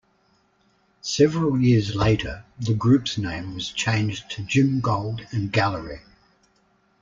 Several years later the group's name was changed to Jim Gold and Gallery.